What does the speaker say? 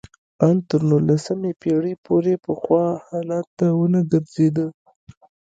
ان تر نولسمې پېړۍ پورې پخوا حالت ته ونه ګرځېده